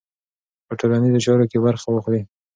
په ټولنیزو چارو کې برخه واخلئ.